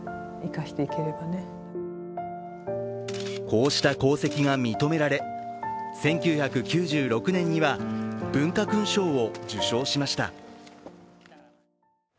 こうした功績が認められ、１９９６年には文化勲章を受章しました。